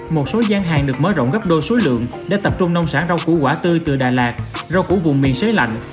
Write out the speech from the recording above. một số gian hàng được mở rộng gấp đôi số lượng đã tập trung nông sản rau củ quả tư từ đà lạt rau củ vùng miền xế lạnh